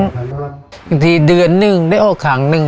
บางทีเดือนหนึ่งได้ออกขังหนึ่ง